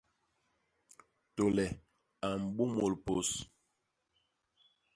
Tôle a mbômôl pôs.